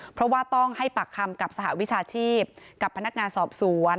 เพราะว่าต้องให้ปากคำกับสหวิชาชีพกับพนักงานสอบสวน